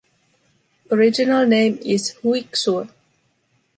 Original name is Hui Xue.